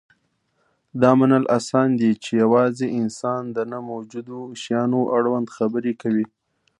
دا منل اسان دي، چې یواځې انسان د نه موجودو شیانو اړوند خبرې کوي.